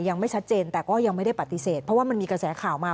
ยังไม่ชัดเจนแต่ก็ยังไม่ได้ปฏิเสธเพราะว่ามันมีกระแสข่าวมา